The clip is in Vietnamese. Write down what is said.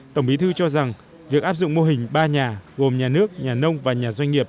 tổng bí thư cho rằng việc áp dụng mô hình ba nhà gồm nhà nước nhà nông và nhà doanh nghiệp